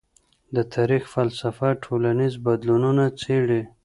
د تاریخ فلسفه ټولنیز بدلونونه څېړي.